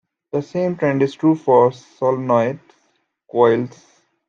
The same trend is true for solenoid coils.